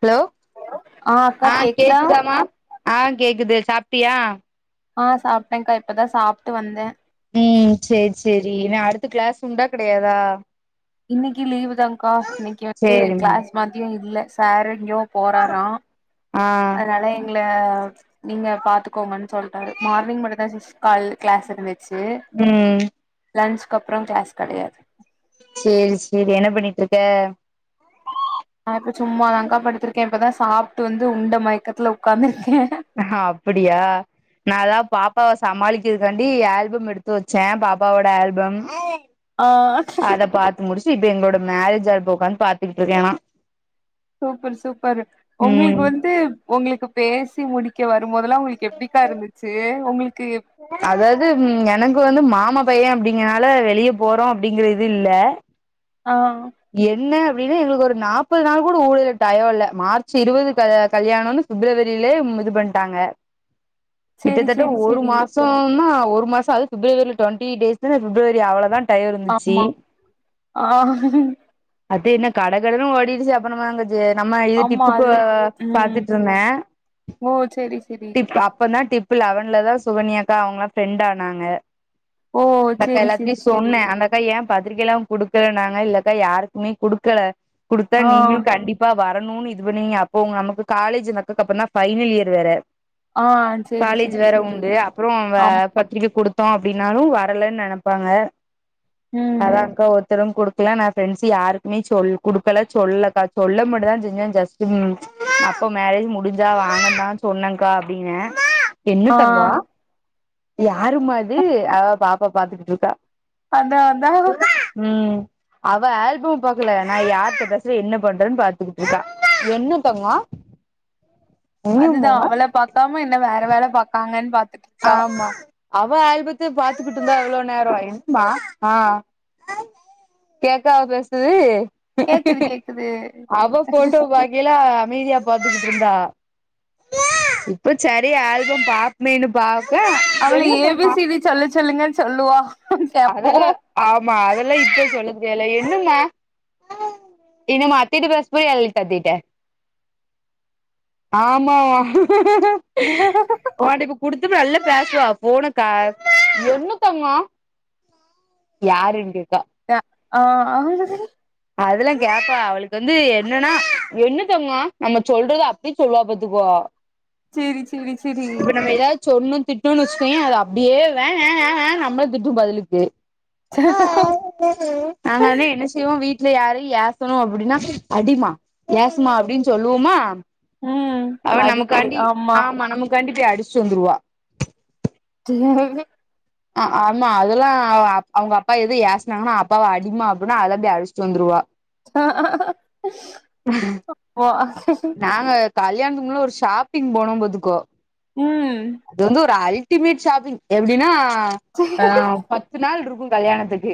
hello அக்கா ஆ கேக்குதா கேக்குதாமா ஆ கேக்குது சாப்ட்டியா ஆ சாப்ட்டேக்கா இப்பதா சாப்ட்டு வந்தே ம் செரி செரி இன்னா அடுத்த கிளாஸ் உண்டா கெடையாதா இன்னிக்கி லீவு தான்கா இன்னிக்கி வந்து சேரிம்மா கிளாஸ் மதியோ இல்ல சாரு இங்கயோ போறாரா ஆ னால எங்கல நீங்க பாத்துக்கோங்கன்னு சொல்ட்டாரு மார்னிங் மட்டுந்தா சி கால் கிளாஸ் இருந்துச்சு ம் லன்ச் கப்புறோ க்ளாஸ் கடையாது செரி சேரி என்ன பண்ணிட்ருக்க நா இப்ப சும்மா தாங்க்கா படுத்துருக்கே இப்பதா சாப்ட்டு வந்து உண்ட மயக்கத்துல ஒக்காந்துருக்கே அ அப்படியா நா லா பாப்பா வ சமாளிக்கதுக்காண்டி ஆல்பம் எடுத்து வெச்சே பாப்பாவோட ஆல்பம் ஆ அத பாத்து முடிச்சி இப்ப எங்களோட மேரேஜ் ஆல்பம் ஒக்காஞ் பாத்துக்கிட்ருக்கே ஆனா சூப்பர் சூப்பர் உங்குளுக்கு வந்து உங்குளுக்கு பேசி முடி இங்க வரும்போதுல்லா உங்குளுக்கு எப்படிக்கா இருந்துச்சு உங்குளுக்கு எப் அதாவது எனக்கு வந்து மாமா பைய அப்டீங்கனால வெளிய போறோ அப்டீங்கற இது இல்ல ஆ என்ன அப்டின்னா எங்களுக்கு ஒரு நாப்பது நாள் கூட ஊடல்ல டயோ இல்ல மார்ச் இருவது கல்யாணோனு பிப்ரவரியிலே இது பண்ட்டாங்க சேரி கிட்டத்தட்ட சேரி ஒரு சேரி மாசோ சோ ன்னா ஒரு மாசோ அது பிப்ரவரி டுவெண்டி யெய்ட்ஸ் பிப்ரவரி அவ்ளோதா டயோ இருந்துச்சு ஆமா அ அது என்ன கட கட ஓடிடுச்சு அப்றம்மாங்க நம்ம இது ஆமா டிப்புக்கு அது ம் பாத்துட்ருந்தே ஓ செரி செரி ப் அப்ப தா டிப்பு லெவன்லதா சுகன்யாக்கா அவுங்களா ஃப்ரெண்ட் ஆனாங்க ஓ பட் செரி எல்லாத்துட்டியு செரி செரி சொன்னே ஏ பத்திரிக்கைய்ல்லா குடுக்கல நாங்க இல்லக்கா யாருக்குமே குடுக்கல குடுத்தா ஆ நீங்களு கண்டிப்பா வரணுனு இது பண்ணுவீங்க அப்போ நமக்கு காலேஜ் நமக்கு அந்தக்கா ஃபைனல் இயர் வேற ஆ செரி காலேஜ் செரி வேற செரி உண்டு அப்றோ வே ஆமா பத்திரிக்க குடுத்தாலு அப்டின்னாலு வரலன் நெனைப்பாங்க ம் அதாக்கா ஒருத்தரு குடு க்ல நா ஃப்ரெண்ட்ஸ் யாருக்குமே சொல் குடுக்கல சொல்ல சொல்ல மட்டுதா செஞ்சே ஜஸ்ட் அப்போ மேரேஜ் முடிஞ்சா வாங்கந்தா சொன்னேகா அப்டினே ஆ அவ பாப்பா பாத்துக்கிட்ருக்கா அதா அதா ம் அவ ஆல்பம் பாக்ல நா யார்ட்ட பேசுர என்ன பண்றேன் பாத்துக்கிட்ருக்க அதுதா அவள பாக்காம என்ன வேற வேல பாக்காங்கன்னு பாத்துட்டு இருக்கா ஆமா அவ ஆல்பத்த பாத்துக்கிட்ருந்தா அவ்ளோ நேரோ ஆ கேக்கா பேசுது கேக்குது கேக்குது அவ போட்டோ வாங் ல்லா அமைதியா பாத்துக்கிட்ருந்தா இப்ப சரி ஆல்பம் பாப்மேன்னு பாக்க சொல்லு சொல்லுங்கன் சொல்லுவா ஆமா கேப்போ அதெல்லா ஆமா அதெல்லா இப்ப சொல்லத் [unintelligible] இன்னும் மாத்திட்டு பஸ்புரி எல் இட்ட திட்ட ஆமா ஓண்ட்ட இப்ப குடுத்து நல்லா பேசுவா ஃபோன க யாருன்டுக்கா அ அ அதுல்லா கேப்பா அவளுக்கு வந்து என்னன்னா நம்ம சொல்றத அப்டியே சொல்லுவா பாத்துக்கோ செரி செரி செரி இப்ப நம்ம எதாவ்து சொன்னு திட்டுன்னு வச்சுக்கோயே அது அப்டியே வே வே வே வே நம்ளியே திட்டு பதில்க்கு நாங் ஒட்னே என்ன செய்வோ வீட் ல யாரையு ஏசணு அப்டின்னா அடிமா ஏசுமா அப்டின்னு சொல்லுவோமா ம் அவ அதுக்கு நமக்காண்டி ஆமா நமக்காண்டி போய் அடிச்ட்டு வந்துருவா ச ஆ ஆமா அதெல்லா அவுங்க அப்பா எது ஏசுனாங்ன்னா அப்பாவ அடிமா அப்டின்னா அத அப்டி அடிச்ட்டு வந்துருவா அப்போ நாங்க கல்யாணத்துக்கு முன்ன ஒரு ஷாப்பிங் போனோபாதுக்கோ உம் அது வந்து ஒரு அல்டிமேட் ஷாப்பிங் எப்டின்னா ஹ பத்து நாள் இருக்கு கல்யாணத்துக்கு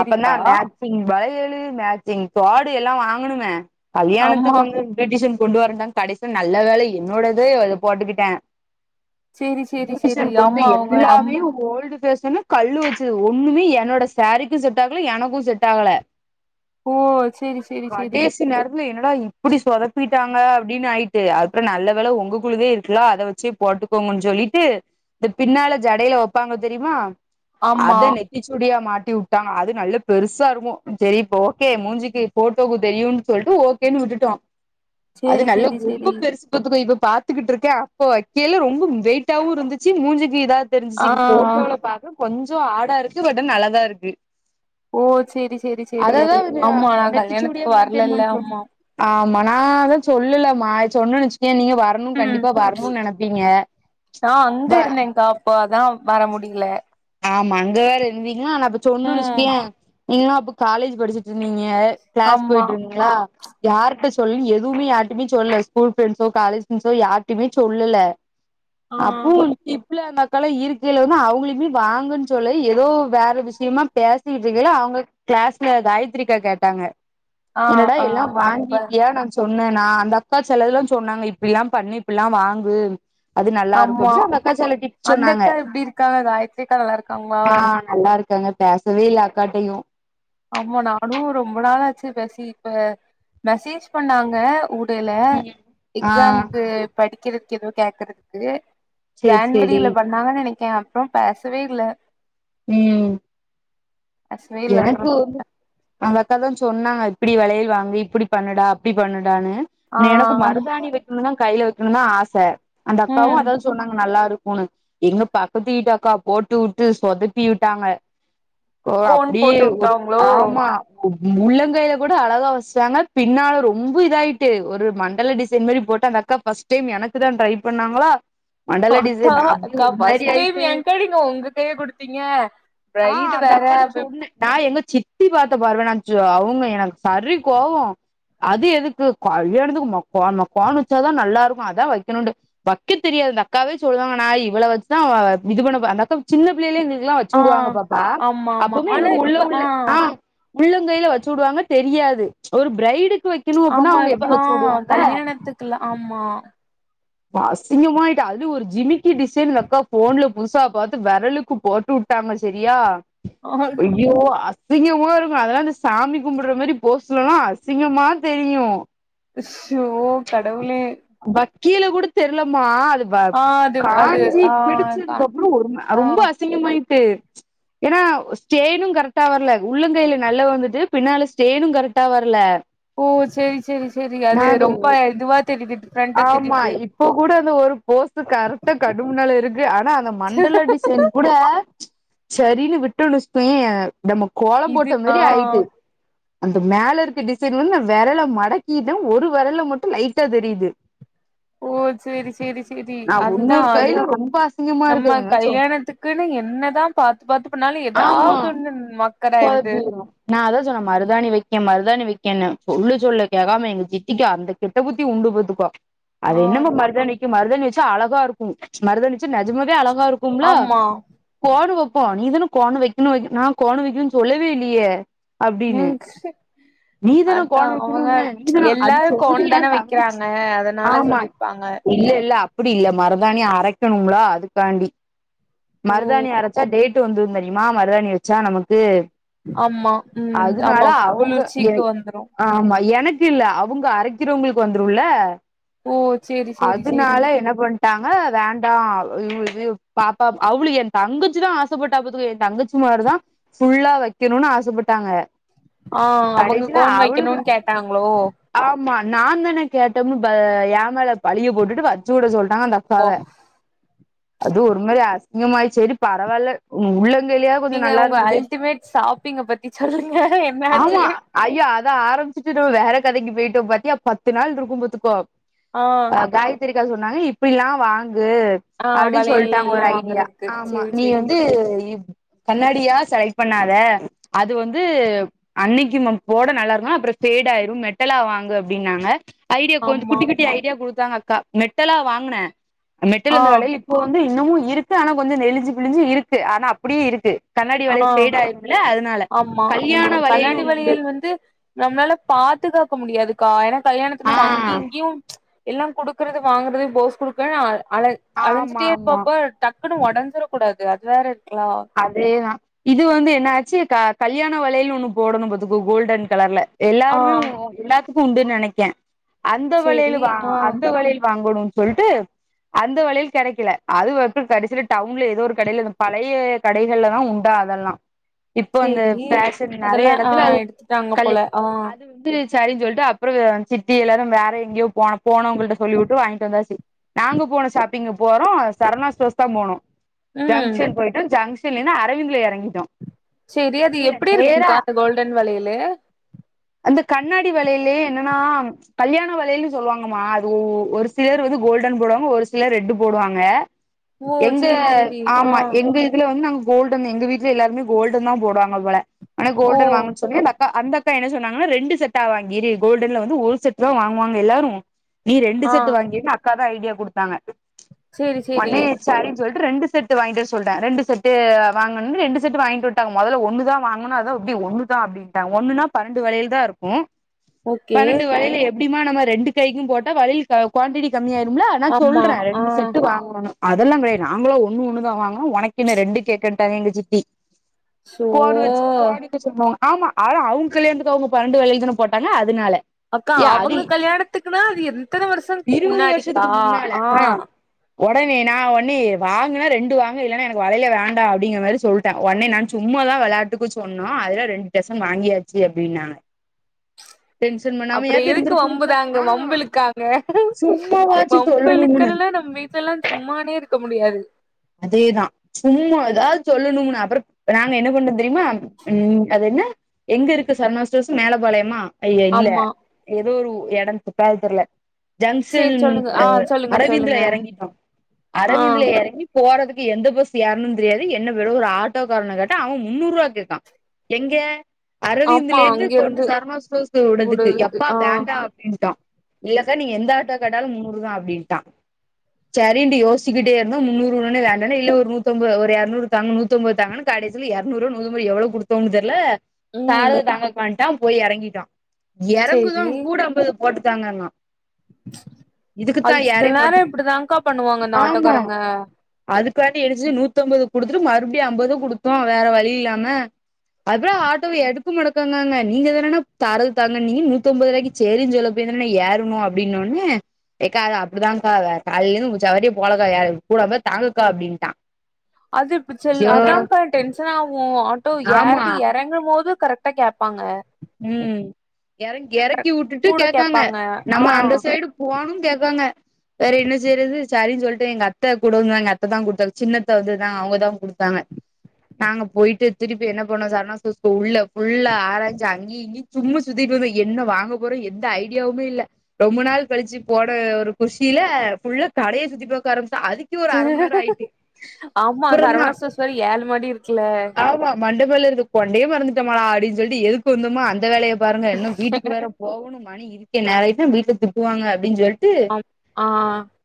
அப்ப தான் மே சிங் வலையழு மேச்சிங் தோடு எல்லா வாங்கணுமே ஆமா கல்யாணத்துக்கு வந்து பெட்டிஷன் கொண்டு வரந்தாங்க கடைசி நல்ல வேலை என்னோட இதே எதோ போட்டுக்கிட்டே சேரி சேரி சேரி ஆமா [unintelligible] அவங்க நம் எல்லாமே ஓல்டு பேஷனு கல்லு வச்சது ஒண்ணுமே என்னோட சாரீக்கும் செட் ஆகல எனக்கு செட் ஆகல ஓ சேரி சேரி சேரி கடேசிநாள் இல்ல என்னடா இப்டி சொதப்பிட்டாங்க அப்டின்னு ஆயிட்டு அப்றோ நல்ல வேல உங்க குழுவே இருக்குல்ல அத வச்சே போட்டுக்கோங்கன்னு சொல்லிட்டு இத பின்னால ஜடையில வெப்பாங்க தெரிமா ஆமா அத நெத் திச்சூடியா மாட்டி வுட்டாங்க அது நல்லா பெருசா இருக்கு செரி இப்போ ஓகே மூஞ்சிக்கு போட்டோக்கு தெரியும்னு சொல்லிட்டு ஓகேன்னு வுட்டுட்டோ அது சேரி நல்லா சேரி ரொம்ப சேரி பெருசு இப்பத்துக்கு இப்ப பாத்துக்கிட்டு இருக்கே அப்போ வெக்கேல ரொம்ப வெயிட்டாவு இருந்துச்சு மூஞ்சிக்கு இதாது தெரிஞ்சுச்சு ஆ இப்ப போட்டோல பாக்க கொஞ்சோ ஆடா இருக்கு பட் நல்லதா இருக்கு ஓ சேரி சேரி சேரி அததா அது அதுங்க ஆமா நா நெத்திச்சூடியா கல்யாணத்துக்கு மெயின்டெயின் வரலல்ல பண்ட்டோ ஆமா ஆமா நாதா சொல்லல மா சொன்னுன்னு வச்சுக்கே நீங்க வரணும்னு ம் கண்டிப்பா வரணும்னு நெனைப் நா அங்க இருந்தேங்கா அப்போ அதா வர முடில ஆமா அங்க வேற இருந்தீங்கனா நா அப்ப சொன்னு ம் வெச்சுக்கயே நீங்களா அப்ப காலேஜ் படிச்சு நீங்க கிளாஸ் ஆமா போயிட்டு இருந்தீங்களா யார்ட்ட சொல்லு எதுவுமே யார்டயுமே சொல்லல ஸ்கூல் ஃப்ரண்ட்ஸோ காலேஜ் ஃப்ரண்ட்ஸோ யார்டயுமே சொல்லல ஆ அப்ப இப்பள்ள அந்த அக்களை இயற்கையில வந்து அவங்களுமே வாங்கன்னு சொல்ல ஏதோ வேற விஷயமா பேசிட்டு இருக்கிள அவுங்க கிளாஸ்ல காயத்தரிக்கா கேட்டாங்க ஆ என்னடா ஆ எல்லா அப்ப வாங்கிட்டியா நா சொன்னேன்னா அந்த அக்கா சிலதுல்லா சொன்னாங்க இப்டி எல்லா பண்ணு இப்டியல்லா வாங்கு அது நல்லா ஆமா இருக்குன்சு அந்த அக்கா சில டிப்ஸ் அந்த சொன்னாங்க அக்கா எப்டி இருக்காங்க காயத்ரி அக்கா நல்லா ஆ இருக்காங்களா நல்லா இருக்கங்க பேசவேல அக்காடையு ஆமா நா [unintelligible] ரொம்ப நாளாச்சு பேசி இப்ப மெசேஜ் பண்ணாங்க ல்ல ல ஆ எக்ஸாம்க்கு படிக்கறதுக் ஏதோ கேக்கறதுக்கு சேரி சேரி ஜான்வரில பண்ணாங்கன் நெனைக்கே அப்றோ பேசவேல்ல ம் பேசவேல்ல எனக்கு அப்புறம் வந்து அந்த அக்கா தா சொன்னாங்க இப்டி வளையல் வாங்கி இப்டி பண்ணுடா அப்டி பண்ணுடான்னு எனக்கும் ஆ மருதாணி வைக்கணு தா கையல வெக்கணு தா ஆச அந்த அக்காவு ம் அதா சொ ன்னாங்க நல்லா இருக்குன்னு எங்க பக்கத்து வீட்டு அக்கா போட்டுவுட்டு சொதப்பி விட்டாங்க ஓ கோன் அப்டியே போட்டு ஒரு வுட்டாங்களோ ஆமா அ உ உள்ளங்கைல கூட அழகா வச்சாங்க பின்னால ரொம்ப இதாயிட்டு ஒரு மண்டலா டி சென் மாரி போட்டு அந்த அக்கா பர்ஸ்ட் டைம் எனக்கு தா ட்ரை பண்ணாங்களா மண்டல ஆத்தா டிசைன் அப்டியே அக்கா ஒரு பஸ்ட் மாரி டைம் ஆயிட்டு என்காடிங் உங்ககைய குடுத்தீங்க ஆ பிரைடு அந்த வேற அக்காட்ட பிப் சொன்னே நா எங்க சித்தி பார்த்த பார்வ நன்சோ அவுங்க எனக்கு சரி கோவோ அது எதுக்கு கல்யாணத்துக்கு கோன் கோன் வச்சாதா நல்லாருக்கு அதா வைக்கணுனு வக்கே தெரியாது அந்த அக்காவே சொல்லுவாங்க நா இவ்வள வச்சுதா அ இது பண்ண ப அந்த அக்கா சின்ன பிள்ளைலே எங்களுக்கலா வச்சு ஆ வுடுவாங்க பாப்பா ஆமா ஆமா அப்பமே ஆனா எங்களுக் உள்ள இப்ப உள்ள ஆ உள்ளங்கைல வச்சு வுடுவாங்க தெரியாது ஒரு பிரைடுக்கு வைக்கணு அப்டினா அவங்க எப்டி வச்சு வுடுவாங்க க்ல்ல ஆமா அசிங்கமாயிட்டு அது ஒரு ஜிமிக்கி டிசைன் அக்கா ஃபோன்ல புதுசா பாத்து வெரலுக்கு போட்டு வுட் டாங்க செரியா அ ஐய்யோ அசி அசிங்கமா இருக்கூ அதெல்லா இந்த சாமி கும்பிட்ற மேரி போஸ்லல்லா அசிங்கமா தெரியு அஸ்ஷோ கடவுளே வக்கீலக் கூட தெர்லமா அது வ ஆ அது அது காஞ்சி ஆ தா பிடிச்சதுக்கு அப்புறொ ரொம் தா ரொம்ப அசிங்கமாயிட்டு ஏனா ஸ்டேனு கரெக்டா வர்ல உள்ளங்கைல நல்ல வந்துட்டு பின்னால ஸ்டேனும் கரெக்ட்டா வரல ஓ செரி செரி செரி அது ரொம்ப இதுவா தெரியுது டிஃப்ரெண்டா ஆமா தெரியுது இப்போ கூட அந்த ஒரு போசு கரெக்ட்டா கண்ணு முன்னால இருக்கு ஆனா அந்த மண்டல டிசைன் கூட சரின்னு விட்டுனுச்சய்ய நம்ம கோளம் இது போட்ட ஆ மேரி ஆய்ட்டு அந்த மேல இருக்க டிசைன் வந்து நா வெரல மடக்கிட்டே ஒரு வெரல்ல மட்டு லைட்டா தெரியுது ஓ செரி செரி செரி நா அதுதா உன்னொரு அது கையில ரொம்ப அசிங்கமா நம்ம இருக்குதுங்க சொ கல்யாணத்துக் க்குன்னு என்னதா பாத்து பாத்து பண்ணாலு ஆமா எதாவ்து ஒண்ணு மக்கராயிடுது சொதப்பிரு நா அதா சொன்னே மருதாணி வக்கே மருதாணி வைக்கேன்னு சொல்ல சொல்ல கேக்காம எங்க சித்திக்கி அந்த கெட்ட புத்தி உண்டு பாத்துக்கோ ஆ அது என்னமோ மருதாணிக்கும் மருதாணி வச்சா அழகா இருக்கூ மருதாணி வச்சா நெஜமாவே அழகா இருக்கும்ல ஆமா கோணு வைப்போ நீதானே கோணு வைக்கனு வைக் நா கோணு வைக்கணுன் சொல்லவே இல்லையே [unintelligible] நீ தான அதா கோணு அவங்க வைக்கணுன்ன நீ தான அது எல்லாரு சொல்லுது ஏா கோன்தான தங்கச்சி வைக்கிறாங்க அதனால ஆமா சொல்லிருப்பாங்க இல்ல இல்ல அப் அப்டி இல்ல மருதாணி அரைக்கணும்ள அதுக்காண்டி ஓ மருதாணி அரைச்சா டேட் ட்டு வந்துரு தெரியுமா மருதாணி வச்சா நமக்கு ஆமா ம் அதனால ஆமா அவங்க குளிர்ச்சிக்கு எனக் வந்துரு ஆமா எனக்கு இல்ல அவுங்க அரைக்கிறவங்களுக்கு வந்துருல்ல ஓ செரி அதனால என்ன பண் ட்டாங்க வேண்டா இவ் இவ பாப்பா அவுள என் தங்கச்சிதா ஆசைப்பட்டா பாதுக்க என் தங்கச் மார்தா ஃபுல்லா வைக்கணுனு ஆசப்பட்டாங்க ஆ அவங்க கோன் வைக்கணுன் கேட்டாங்ளோ ஆமா நா தானே கேட்டோம்னு பா ஏ மேல பழிய போட்டுட்டு வச்சு வுட சொல்டாங்க அந்த அக் ஓ காவே அது ஒருமாரி அசிங்கமாச் செரி பரவால்ல உ உள்ளங்கைலயா கொஞ்சோ நீங்க நல்லா உங்க இருந்ததே அல்டிமேட் ஷாப்பிங்க பத்தி சொல்லுங்க என்னாச்சு ஆமா ஐயோ அத ஆரமிச்சிட்டு வேற கதைக்கு போயிட்டோ பாத்தியா பத்து நாள் இருக்கு பாத்துக்கோ ஆ அ காயத்திரிக்கா சொன்னாங்க இப்பிடிலா வாங்கு ஆ அப்டி வளையல் சொல்ட்டாங்க எல்லா ஒரு ஐடியா வாங்குறதுக்கு ஆமா சேரி நீ சேரி வந்து கண்ணாடியா செலக்ட் பண்ணாத அது வந்து அன்னைக்கி போட நல்லாருக்கு அப்றோ ஃபேடா ஆயிரு மெட்டலா வாங்கு அப்டின்னாங்க ஐ டி கொஞ்சோ ஆமா குட்டி குட்டி ஐடியா குடுத்தாங்க அக்கா மெட்டலா வாங்னே மெட்டல் ஆ அந்த வளயளு இப்ப வந்து இன்னமு இருக்கு ஆனா கொஞ்சோ நெலிஞ்சு பிலிஞ்சு இருக்கு ஆனா அப்டியே இருக்கு கண்ணாடி ஆ வளையல் பேடாயிரு ம்லிஅதனால ஆமா கல்யாண ம் வளையல்னு கண்ணாடி ஒன்னுண்டு வளையல் வந்து நம்ளால பாத்துகாக்க முடியாதுக்கா ஏன்னா கல்யாணத்து ஆ நம்ம அங்யு இங்யு எல்லா குடுக்கறது வாங்குறது போஸ் குடுக்க அழ ஆமா அழஞ்சிட்டே ஆமா இருப்பப்ப டக் குன்னு ஒடஞ்சிரக் கூடாது அது வேற இருக்லா அதேதா இது வந்து என்னாச்சு க கல்யாண வளையல் ஒண்ணு போடணு பாத்துக்கோ கோல்டன் கலர்ல ஆ எல்லாருமே எல்லாத்துக்கு உண்டுன்னு நெனைக்கே அந்த வளையல் சேரி வா ஆ அந்த வளையல் வாங்கணு சொல்ட்டு அந்த வளையல் கெடைக்கல அது வந்து கடைசில டவுன்ல எதோ ஒரு கடையில இந்த பழைய கடைகள்லதா உண்டா அதெல்லா இப்ப அந்த சேரி ஃபேஷன் அதெல்லா நெறைய ஆ எடத்துல அது எடுத்துட்டாங்க கல் போல ஆ சரின் சொல்ட்டு அப்றோ சித்தி எல்லாரு வேற எங்கயோ போன போனவங்கள்ட்ட சொல்லி உட்டு வாங்கிட்டு வந்தாச்சி நாங்க போன ஷாப்பிங்கு போறோ சரணா ஸ்டோர்ஸ்தா போனோ ம் ஜங்ஷன் போயிட்டு ஜங்ஷ ன்னு அரவிந்த்ல எறங்கிட்டோ சேரி அது எப்டி நேரா இருக்குக்கா அந்த கோல்டன் வளையலு அந்த கண்ணாடி வளையிலயே என்னன்னா கல்யாண வளையல்னு சொல்லுவாங்கம்மா அது ஒரு சிலர் வந்து கோல்டன் போடுவாங்க ஒரு சிலர் ரெட்டு போடுவாங்க ஓ எங்க சேரி சேரி ஆ ஆமா எங்க இது இதுல வந்து நாங்க கோல்டன் எங்க வீட்ல எல்லாருமே கோல்டன்தா போடுவாங்க போல ஆனா ஓ கோல்டன் வாங்க சொன்னே அந்தக்கா அந்த அக் கா என்ன சொன்னாங்னா ரெண்டு செட்டா வாங்கிரு கோல்டன்ல வந்து ஒரு செட்தா வாங்குவாங்க எல்லாரு நீ ரெண்டு ஆ செட்டு வாங்கிருன் அக்கா தா ஐடியா குடுத்தாங்க சேரி சேரி ஒன்னே சரினு சொல்ட்டு ரெண்டு செட்டு வாங்கிட்டு வர சொல்டே ரெண்டு செட் டு வாங்கனுன்னு ரெண்டு செட்டு வாங்கிட் வந்டாங்க மொதல்ல ஒன்னுதா வாங்கணு அதா இப்டி ஒன்னுதா அப்படின்ட்டு இப்ப ஒன்னுன்னா பனெண்டு வளையல் தா இருக்கு ஓகே பனெண்டு வளையல் எப்டிமா நம்ம ரெண்டு கைக்கு போட்டா வளையல் குவான்டிட்டி கம்மியாயிரும்ல நா ஆமா சொல்றே ஆ ரெண்டு செட்டு வாங்குவோனு அதெல்லா கெடையாது நாங்களா ஒன்னு ஒன்னுதா வாங்கு உனக்கு என்ன ரெண்டு கேக்குன்ட்டாக எங்க சித்தி சோ கோடு வச்ச டிக்கு சொன்னாங்க ஆமா ஆனா அவங் கல்யாணத்துக்கு அவங்க பன்னெண்டு வளயல்தான போட்டாங்க அதுனால அக்கா அவுங்க கல்யாணத்துக்குன்னா அது எத்தன வருஷ இருவது முன்னாடிக்கா ஆ உடனே நா ஒன்னே வாங்குனா ரெண்டு வாங்க இல்லன்னா எனக்கு வகையலே வேண் டா அப்டிங்ற மாரி சொல்ட்டே ஒன்னே நா சும்மாதா வெளயாட்டுக்கு சொன்னோ அதுலா ரெண்டு டெசன் வாங்கியாச்சு அப்டின்னாங்க டென்ஷன் அப்றோ பண்ணாமயாது எதுக்கு இருந்திருக்கணும்ல வம்புதாங்க ஆ வம்புழுக்காங்க சும்மாவாச்சு வம்பு சொல்லணும்னு இழுக்கலல்ல நம்ம வீட்லலா சும்மாவே இருக்க முடியாது அதேதா சும்மா எதாது சொல்லணுனு அப்றோ நாங்க என்ன பண்ணோ தெரியுமா ம் அது என்ன எங்க இருக்கு சரவணா ஸ்டோர்சு மேலப்பாளையமா ஐய இல்ல ஆமா எதோ ஒரு ஊ எடன்த்து பேரு தெர்ல சேரி ஜங்சன் சொல்லுங்க ஆ சொல்லுங்க அரவிந்த்ல சொல்லுங்க எறங்கிட்டோ ஆ அரவிந்த்ல எறங்கி போறதுக்கு எந்த பஸ் ஏறணுனு தெரியாது என்ன விட ஒரு ஆட்டோகாரன கேட்டா அவ முந்நூறுவா கேக்கா எங்க ஆமா அரவிந்த்ல இருந்து அங்க கொண்டு சரவணா ஸ்டோர்ஸ்க்கு விடதுக்கு நூடுல்க்கு எப்பா ஆ வேண்டா அப்டின்ட்டோ இல்லக்கா நீங்க எந்த ஆட்டோ கேட்டாலு முந்நூறுதா அப்டின்ட்டா சரின்ட்டு யோஸ்ச்சுகிட்டே இருந்தோ முந்நூறு னா வேண்டானே இல்ல ஒரு நூத்தம்பது ஒரு எரநூறு தாங்க நூத்தம்பது தாங்கன் கடைசில எரநூறோ நூறோ எவ்ளோ குடுத்தோனு தெர்ல ம் தாரத தாங்கக்கான்ட்டா போய் எறங்கிட்டோ எறங்குதோ சேரி கூட அம்பது போட்டுதாங்கன்னா அது சில நேர மாட்ட இப்படிதான்கா பண்ணுவாங்க இந்த ஆட்டோக்காரங்க அதுக்காட்டி என்ன செய்ய நூத்தம்பது குடுத்துட்டு மறுபடியு அம்பது குடுத்தோ வேற வழி இல்லாம அப்புற ஆட்டோவ எடுக்க முடக்கங்காங்க நீங்க தானன்னே தாரது தாங்கன்னீங்க நூத்தம்பது ரூவாய்க்கு சேரின் சொல்ல போயிதானன்னே ஏறுனோ அப்படின்னோன்னே எக்கா அது அப்படிதான்க்கா காலையிலந்து சவாரியே போலக்கா யா கூட இருந்தா தாங்கக்கா அப்படின்ட்டா அது இப் செல் அதான்க்கா டென்ஷன் ஆவு ஆட்டோ ஆமா ஏறு எர் றங்கும் போது கரெக்டா கேப்பாங்க ம் இற இறக்கி வுட்டுட்டு கூட கேக்காங்க கேப்பாங்க ஆ நம்ம அந்த சைடு போனு னு கேக்காங்க வேற என்ன செய்யறது சேரின்னு சொல்லிட்டே எங்க அத்த கூடுங்க எங்க அத்த தா கொடுத்தாங்க சின்னத்தை வந்துதா அவங்கதா கொடுத்தாங்க நாங்க போயிட்டு திருப்பி என்ன பண்ணோ சாரவணாஸ் உள்ள புல்லா ஆராய்ச்சி அங்கய இங்கயும்மா சும்மா சுத்திட்டு இருந்தோ என்ன வாங்க போறோ எந்த ஐடியாவுமே இல்ல ரொம்ப நாள் கழிச்சு போன ஒரு குஷியில புல்லா கடையே சுத்திப்பாரக்க ஆரம்பிச்சோ அதுக்கு ஒரு அரை மணிநேர ஆயிட்டு ஆமா அப்பற என்னா சரவணா ஸ்டோர்ஸ் வேற ஏழு மாடி இருக்குல்ல ஆமா மண்ட மேல இருக்க கொண்டையே மறந்துட மடா அப்பின்னு சொல்லிட்டு எதுக்கு வந்துமா அந்த வேலையை பாருங்க எல்லா வீட்டுக்கு வேற போவணு மணி இருக்கே நே ரயானவீட்டுலக்ஷ துப்புவாங்க அப்படின்னு சொல்லிட்டு ஆ